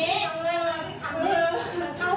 อย่าให้มันเดินเข้ามาอย่างนี้